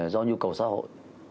do nhu cầu xã hội